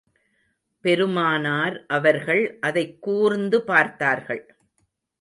பெருமானார் அவர்கள் அதைக் கூர்ந்து பார்த்தார்கள்.